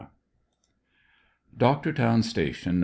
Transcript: DocTORTOWN Station, No.